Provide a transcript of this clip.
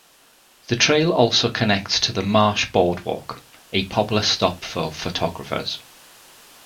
The trail also connects to the Marsh Boardwalk, a popular stop for photographers.